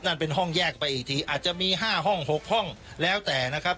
นั่นเป็นห้องแยกไปอีกทีอาจจะมี๕ห้อง๖ห้องแล้วแต่นะครับ